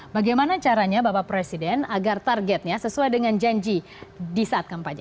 bagaimana caranya bapak presiden agar targetnya sesuai dengan janji di saat kampanye